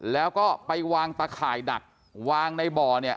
แล้วก็ไปวางตะข่ายดักวางในบ่อเนี่ย